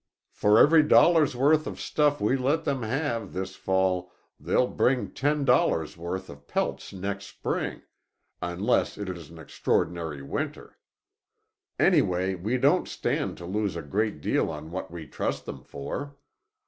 For every dollar's worth of stuff we let them have this fall they'll bring ten dollars' worth of pelts next spring—unless it is an extraordinary winter. Anyway, we don't stand to lose a great deal on what we trust them for.